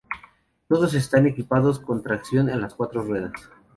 Todos están equipados con tracción a las cuatro ruedas.